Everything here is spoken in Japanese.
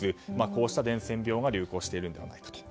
こうした伝染病が流行しているのではないかと。